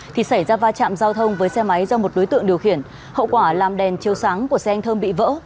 thì xảy ra va chạm giao thông với xe máy do một đối tượng điều khiển hậu quả làm đèn chiêu sáng của xe anh thơm bị vỡ